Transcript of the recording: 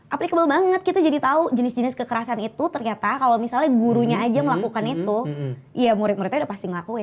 applicable banget kita jadi tahu jenis jenis kekerasan itu ternyata kalau misalnya gurunya aja melakukan itu ya murid muridnya udah pasti ngelakuin